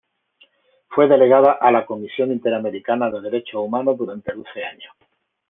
Fue delegada a la Comisión Interamericana de Derechos Humanos durante doce años.